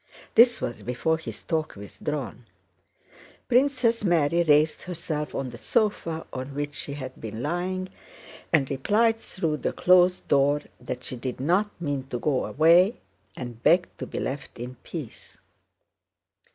(This was before his talk with Dron.) Princess Mary raised herself on the sofa on which she had been lying and replied through the closed door that she did not mean to go away and begged to be left in peace.